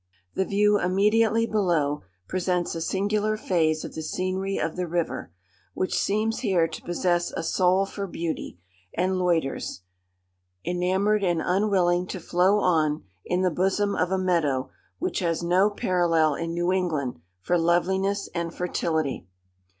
The view immediately below presents a singular phase of the scenery of the river, which seems here to possess a soul for beauty, and loiters, enamoured and unwilling to flow on, in the bosom of a meadow which has no parallel in New England for loveliness and fertility.